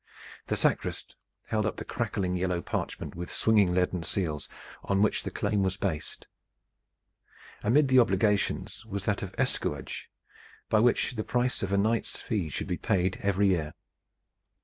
The sacrist held up the crackling yellow parchment with swinging leaden seals on which the claim was based. Amid the obligations was that of escuage, by which the price of a knight's fee should be paid every year.